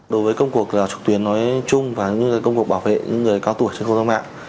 đối với công cuộc trực tuyến nói chung và công cuộc bảo vệ những người cao tuổi trên không gian mạng